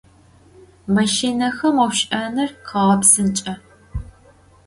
Maşşinexem 'ofş'enır khağepsınç'e.